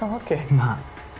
まあ